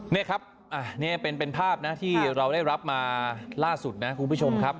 นี่ครับนี่เป็นภาพนะที่เราได้รับมาล่าสุดนะคุณผู้ชมครับ